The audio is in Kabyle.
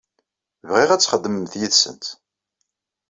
Bɣiɣ ad txedmemt yid-sent.